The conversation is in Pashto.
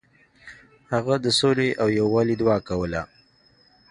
هغه د سولې او یووالي دعا کوله.